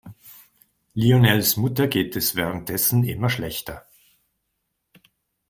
Lionels Mutter geht es währenddessen immer schlechter.